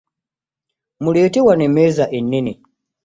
Mulete wano emenza enene